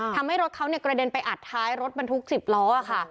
ทำให้รถเขากระเด็นไปอัดท้ายรถบรรทุก๑๐ล้อค่ะ